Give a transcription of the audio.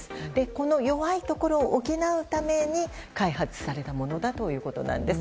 この弱いところを補うために開発されたものということなんです。